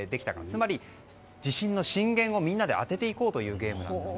つまり地震の震源を当てていこうというゲームなんです。